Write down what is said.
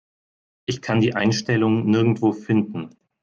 Ich kann die Einstellung nirgendwo finden.